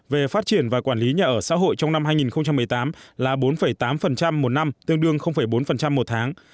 về phát triển và quản lý nhà ở xã hội trong năm hai nghìn một mươi tám là bốn tám một năm tương đương bốn một tháng